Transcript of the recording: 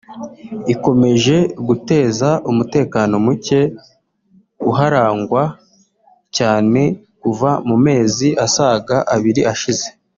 ikomeje guteza umutekano muke uharangwa cyane kuva mu mezi asaga abiri ashize